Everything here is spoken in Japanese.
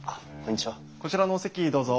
こちらのお席どうぞ。